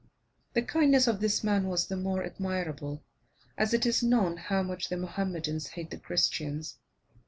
The kindness of this man was the more admirable, as it is known how much the Mahomedans hate the Christians.